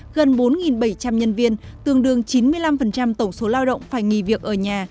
gần bốn bảy trăm linh nhân viên tương đương chín mươi năm tổng số lao động phải nghỉ việc ở nhà